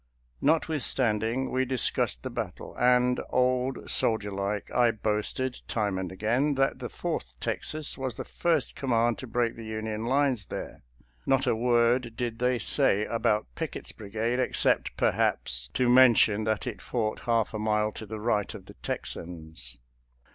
Not withstanding we discussed the battle, and, old soldier like, I boasted, time and again, that the Fourth Texas was the first command to break the Union lines there, not a word did they say about Pickett's brigade, except, perhaps, to men tion that it fought half a mile to the right of the Texans.